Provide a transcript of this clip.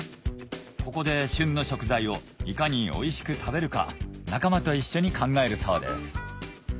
ここで旬の食材をいかにおいしく食べるか仲間と一緒に考えるそうです